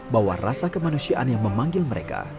bahwa rasa kemanusiaan yang memanggil mereka